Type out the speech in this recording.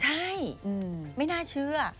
ใช่ไม่น่าเชื่อ